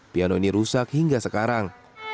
piano ini rusak hingga sekarang